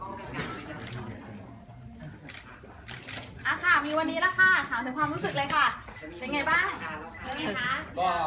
โอเคนะ